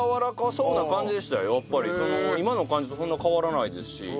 やっぱり今の感じとそんな変わらないですし。